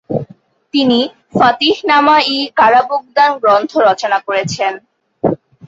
তিনি ফাতিহনামা-ই কারাবুগদান গ্রন্থ রচনা করেছেন।